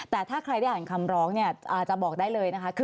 แต่ถ้าใครได้อ่านคำร้องเนี่ยอาจจะบอกได้เลยนะคะ